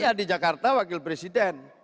ya di jakarta wakil presiden